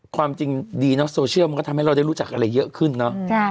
ความจริงดีนะโซเชียลมันก็ทำให้เราได้รู้จักอะไรเยอะขึ้นเนอะ